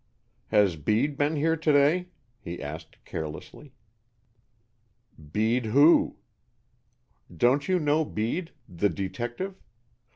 "Has Bede been here to day?" he asked, carelessly. "Bede who?" "Don't you know Bede, the detective?